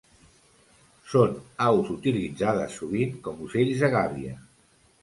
Són aus utilitzades sovint com ocells de gàbia.